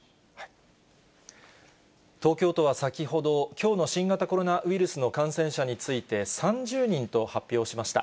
東京都は先ほど、きょうの新型コロナウイルスの感染者について、３０人と発表しました。